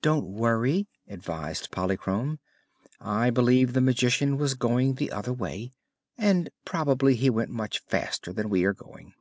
"Don't worry," advised Polychrome. "I believe the Magician was going the other way, and probably he went much faster than we are going."